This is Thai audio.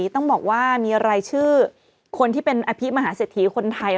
ต้องบอกว่ามีรายชื่อคนที่เป็นอภิมหาเศรษฐีคนไทย